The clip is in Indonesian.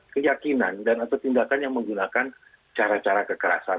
keyakinan dan atau tindakan yang menggunakan cara cara kekerasan